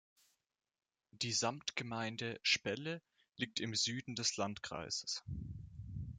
Die Samtgemeinde Spelle liegt im Süden des Landkreises.